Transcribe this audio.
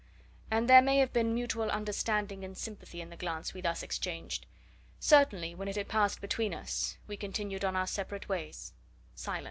And there may have been mutual understanding and sympathy in the glance we thus exchanged certainly, when it had passed between us, we continued on our separate ways, silent.